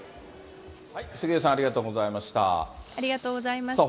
杉上さん、ありがとうございました。